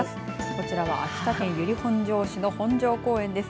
こちらは秋田県由利本荘市の本荘公園です。